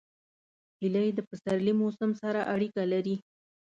هیلۍ د پسرلي موسم سره اړیکه لري